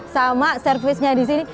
sama servisnya disini